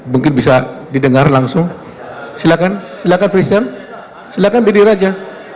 biar langsung aja